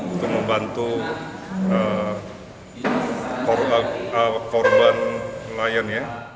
untuk membantu korban lion air